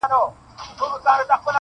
نجات نه ښکاري د هيچا له پاره,